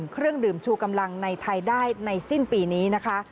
เครื่องดื่มชูกำลังในไทยได้ในสิ้นปีนี้นะคะ